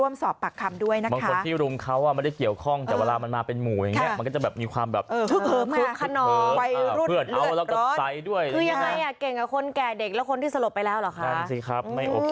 ไม่ได้เกี่ยวเลยอืม